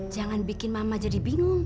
jangan bikin mama jadi bingung